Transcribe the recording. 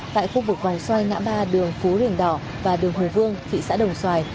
tại khu vực vàng xoay ngã ba đường phú rỉnh đỏ và đường hồ vương thị xã đồng xoài